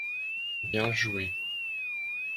Bien jouer.